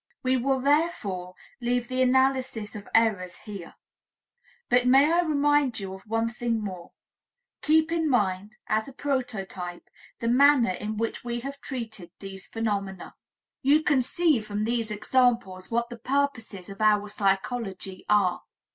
We will therefore leave the analysis of errors here. But may I remind you of one thing more: keep in mind, as a prototype, the manner in which we have treated these phenomena. You can see from these examples what the purposes of our psychology are.